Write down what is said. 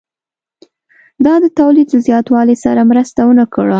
دا د تولید له زیاتوالي سره مرسته ونه کړه